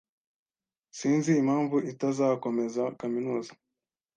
Sinzi impamvu itazakomeza kaminuza